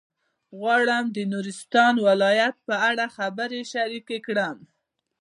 غواړم د نورستان ولایت په اړه خبرې شریکې کړم.